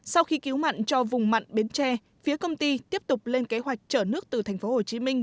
sau khi cứu mặn cho vùng mặn bến tre phía công ty tiếp tục lên kế hoạch chở nước từ thành phố hồ chí minh